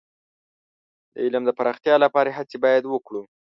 د علم د پراختیا لپاره هڅې باید وکړو.